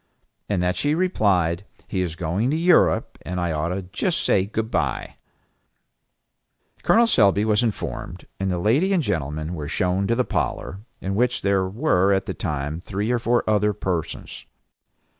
and that she replied, "He is going to Europe, and I ought to just say good by." Col. Selby was informed; and the lady and gentleman were shown to the parlor, in which were at the time three or four other persons.